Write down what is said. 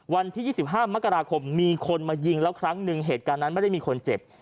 วันที่๒๕มกราคมมีคนมายิงแล้วครั้งหนึ่งเหตุการณ์นั้นไม่ได้มีคนเจ็บ